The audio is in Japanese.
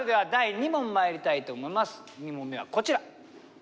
２問目はこちら。